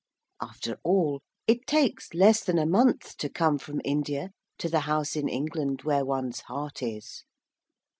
After all, it takes less than a month to come from India to the house in England where one's heart is.